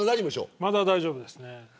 まだ大丈夫です。